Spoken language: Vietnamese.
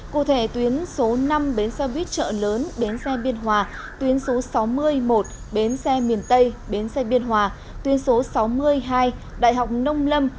cụ thể tuyến số năm bến xe buýt chợ lớn bến xe biên hòa tuyến số sáu mươi một bến xe miền tây bến xe biên hòa tuyến số sáu mươi hai đại học nông lâm